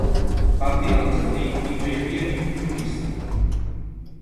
Vam dinar al jardí i no hi havia ni un turista!